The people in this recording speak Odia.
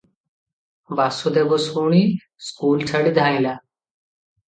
ବାସୁଦେବ ଶୁଣି ସ୍କୁଲ ଛାଡ଼ି ଧାଇଁଲା ।